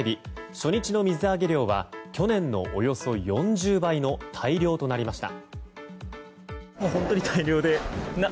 初日の水揚げ量は去年のおよそ４０倍の大漁となりました。